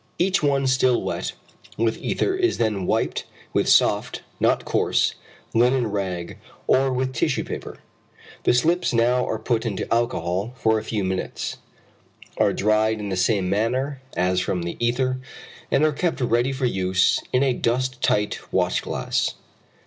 Each one still wet with ether is then wiped with soft, not coarse, linen rag or with tissue paper. The slips now are put into alcohol for a few minutes, are dried in the same manner as from the ether, and are kept ready for use in a dust tight watch glass.